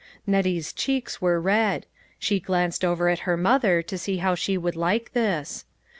Nettie's cheeks were red. She glanced over at her mother to see how she would like this.